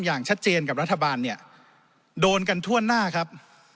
อย่างชัดเจนกับรัฐบาลเนี่ยโดนกันทั่วหน้าครับ